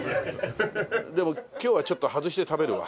でも今日はちょっと外して食べるわ。